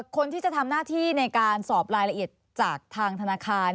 คนที่จะทำหน้าที่ในการสอบรายละเอียดจากทางธนาคาร